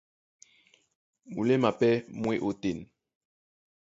Muléma pɛ́ mú e ótên.